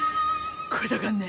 これだかんね。